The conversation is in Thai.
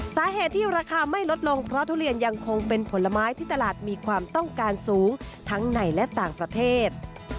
สาเหตุที่ราคาไม่ลดลงเพราะทุเรียนยังคงเป็นผลไม้ที่ตลาดมีความต้องการสูงทั้งในและต่างประเทศ